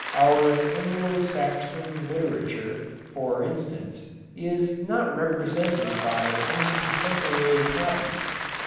Our Anglo Saxon literature, for instance, is not represented by any contemporary copies.